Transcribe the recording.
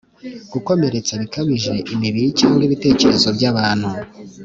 Gukomeretsa bikabije imibiri cyangwa ibitekerezo by abantu